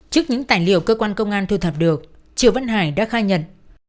trước những tài liệu cơ quan công an thu thập được triều văn hải đã khai nhận